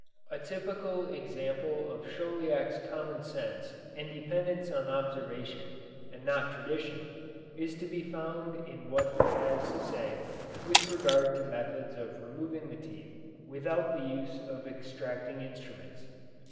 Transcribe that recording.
A typical example of Chauliac's common sense and dependence on observation and not tradition is to be found in what he has to say with regard to methods of removing the teeth without the use of extracting instruments.